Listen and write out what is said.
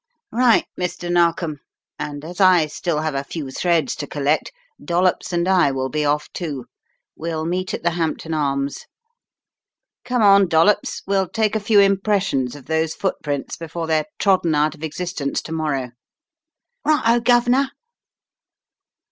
"Right, Mr. Narkom, and as I still have a few threads to collect, Dollops and I will be off, too. We'll meet at the Hampton Arms. Come on, Dol The Woman in the Case 189 lops, we'll take a few impressions of those footprints before they're trodden out of existence to morrow/* "Righto, Guv'nor."